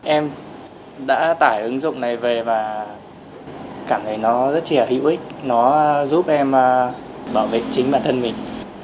em đã tải ứng dụng này về và cảm thấy nó rất là hữu ích nó giúp em bảo vệ chính bản thân mình